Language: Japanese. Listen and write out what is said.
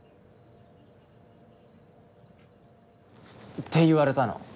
って言われたの。